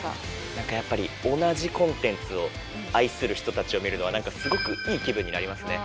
何かやっぱり同じコンテンツを愛する人たちを見るのはすごくいい気分になりますね。